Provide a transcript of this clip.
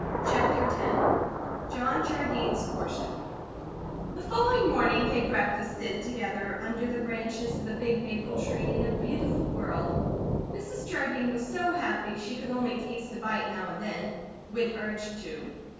CHAPTER X JOHN JARDINE'S COURTSHIP THE following morning they breakfasted together under the branches of the big maple tree in a beautiful world. Mrs. Jardine was so happy she could only taste a bite now and then, when urged to.